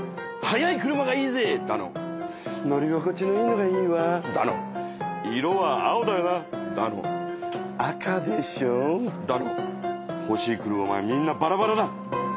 「速い車がいいぜ」だの「乗り心地のいいのがいいわ」だの「色は青だよな」だの「赤でしょう」だのほしい車はみんなバラバラだ。